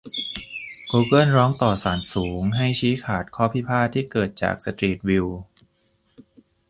กูเกิลร้องต่อศาลสูง ให้ชี้ขาดข้อพิพาทที่เกิดจากสตรีทวิว